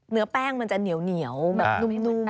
เนื้อแป้งมันจะเหนียวแบบนุ่ม